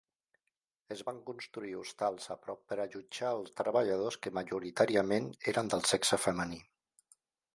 Es van construir hostals a prop per allotjar els treballadors que majoritàriament eren del sexe femení.